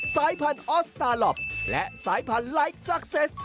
สายพันธุ์ออสตาลอปและสายพันธุ์ไลค์ซักเซส